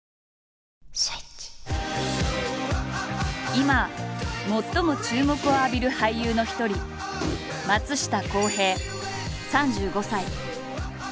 今最も注目を浴びる俳優の一人松下洸平３５歳。